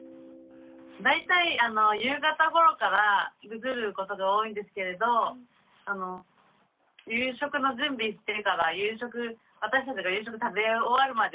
大体夕方ごろからぐずることが多いんですけれど夕食の準備してから私たちが夕食食べ終わるまで。